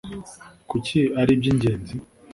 Kuki ari iby’ingenzi?